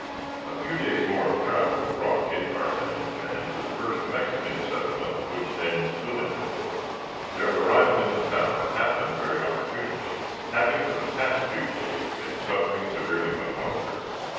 A few days more of travel brought Kit Carson and his men to the first Mexican settlement which then stood in their road. Their arrival in the town happened very opportunely, having for the past few days been suffering severely from hunger.